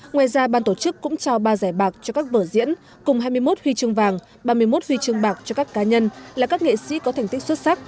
ngoài ra ban tổ chức cũng trao ba giải bạc cho các vở diễn cùng hai mươi một huy chương vàng ba mươi một huy chương bạc cho các cá nhân là các nghệ sĩ có thành tích xuất sắc